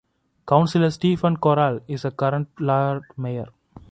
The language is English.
Councillor Stephen Corrall is the current lord mayor.